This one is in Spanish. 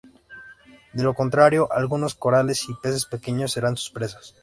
De lo contrario, algunos corales y peces pequeños serán sus presas.